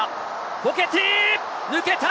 フォケティ、抜けた！